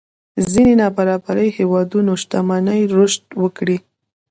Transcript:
ځينې نابرابرۍ هېوادونو شتمنۍ رشد وکړي.